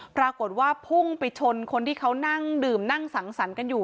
ปรากฏว่าพุ่งไปชนคนที่เขานั่งดื่มนั่งสังสรรค์กันอยู่